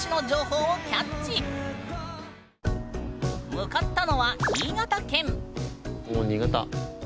向かったのはおお新潟。